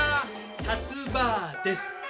たつ婆です。